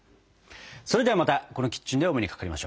それではまたこのキッチンでお目にかかりましよう。